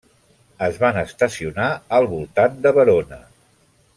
Es van estacionar al voltant de Verona.